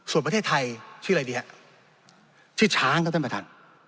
ส่วนประเทศไทยชื่ออะไรดีครับชื่อช้างก็ได้มาทัน